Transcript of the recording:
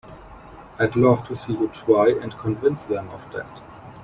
I'd love to see you try and convince them of that!